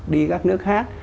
đi các nước khác